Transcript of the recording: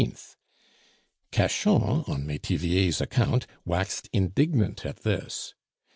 Cachan, on Metivier's account, waxed indignant at this.